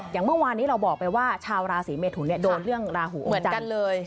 อย่างเมื่อวานนี้เราบอกไปว่าชาวราศีเมทุนโดนเรื่องราหูเหมือนกันเลย